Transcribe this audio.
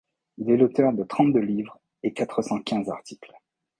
Il est l'auteur de trente-deux livres et quatre cent quinze articles.